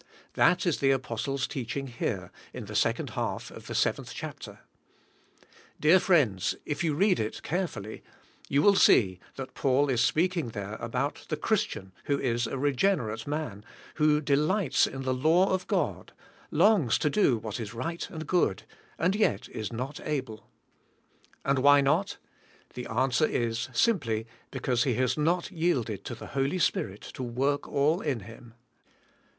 That is the apostle's teaching here in the second half of the seventh chapter. Dear friends, if you read it carefully, you will see that Paul is speaking there about the Christian who is a regenerate man, who delights in the law of God, longs to do what is right and good, and yet is not able. And why not? The answer is, simply be cause he has not yielded to the Holy Spirit to work all in him.